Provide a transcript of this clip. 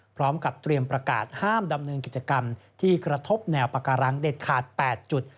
พร้อมกับเตรียมประกาศห้ามดำเนินกิจกรรมที่กระทบแนวปาการังเด็ดขาด๘จุด